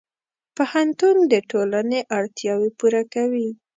پوهنتون د ټولنې اړتیاوې پوره کوي.